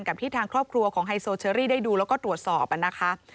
กับที่ทางครอบครัวของไฮโซเชอรี่ได้ดูแล้วก็ตรวจสอบนะคะ